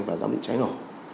và giám định cháy nổ